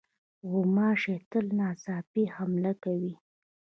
غوماشې تل ناڅاپي حمله کوي.